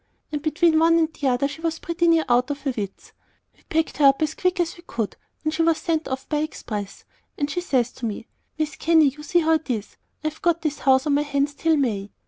And between one and the other she was pretty near out of her wits. We packed her up as quick as we could, and he was sent off by express; and she says to me, 'Mis Kenny, you see how 't is. I've got this house on my hands till May.